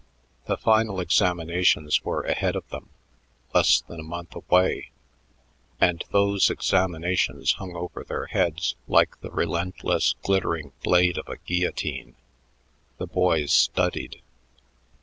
The final examinations were ahead of them, less than a month away; and those examinations hung over their heads like the relentless, glittering blade of a guillotine. The boys studied.